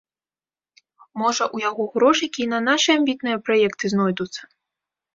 Можа, у яго грошыкі і на нашы амбітныя праекты знойдуцца?